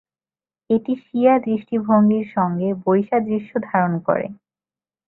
এটি শিয়া দৃষ্টিভঙ্গির সঙ্গে বৈসাদৃশ্য ধারণ করে।